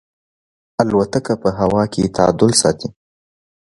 الوتکه په هوا کې تعادل ساتي.